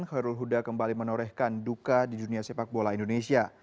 khairul huda kembali menorehkan duka di dunia sepak bola indonesia